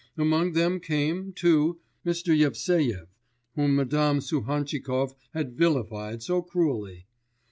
Among them came, too, Mr. Yevseyev whom Madame Suhantchikov had vilified so cruelly.